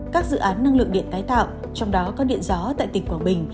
các dự án năng lượng điện tái tạo trong đó có điện gió tại tỉnh quảng bình